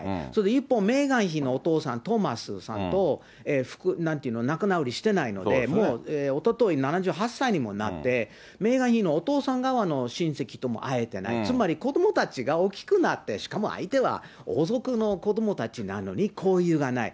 一方、メーガン妃のお父さん、トーマスさんと、なんていうの、仲直りしてないので、おととい７８歳にもなって、メーガン妃のお父さん側の親戚とも会えてない、つまり、子どもたちが大きくなって、しかも相手は王族の子どもたちなのに、交流がない。